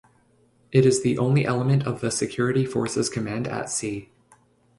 It is the only element of the Security Forces Command at sea.